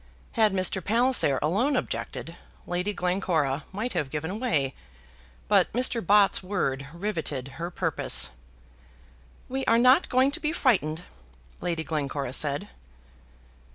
Had Mr. Palliser alone objected, Lady Glencora might have given way, but Mr. Bott's word riveted her purpose. "We are not going to be frightened," Lady Glencora said.